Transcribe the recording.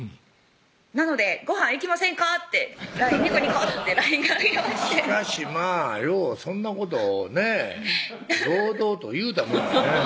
「なのでごはん行きませんか？」って「ニコニコ」ってＬＩＮＥが来ましてしかしまぁようそんなことねぇ堂々と言うたもんやね